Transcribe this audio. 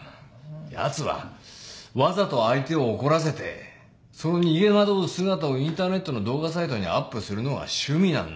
奴はわざと相手を怒らせてその逃げ惑う姿をインターネットの動画サイトにアップするのが趣味なんだと。